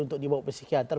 untuk dibawa ke psikiater